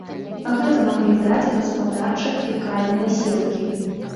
Гэта маглі даць гаспадарча-фекальныя сеткі.